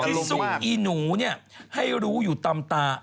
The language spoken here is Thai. ที่สู้อีหนูเนี่ยให้รู้อยู่ตามตา